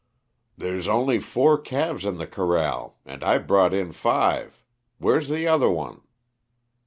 "There's only four calves in the corral and I brought in five. Where's the other one?"